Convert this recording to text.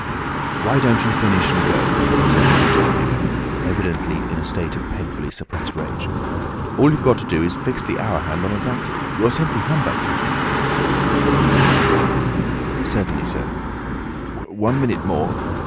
"Why don't you finish and go?" said the rigid figure, evidently in a state of painfully suppressed rage. "All you've got to do is to fix the hour hand on its axle. You're simply humbugging—" "Certainly, sir—one minute more.